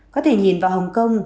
có thể nhìn vào hồng kông